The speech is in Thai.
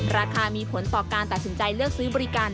ราคามีผลต่อการตัดสินใจเลือกซื้อบริการ